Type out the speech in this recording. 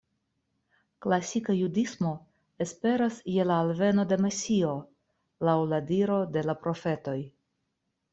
Klasika Judismo esperas je la alveno de Mesio, laŭ la diro de la profetoj.